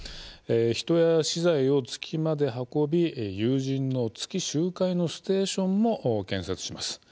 人や資材を月まで運び有人の月周回のステーションも建設します。